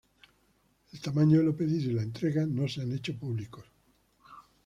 El tamaño de lo pedido y la entrega no se han hecho públicos.